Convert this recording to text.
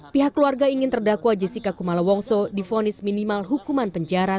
pihak keluarga ingin terdakwa jessica kumala wongso difonis minimal hukuman penjara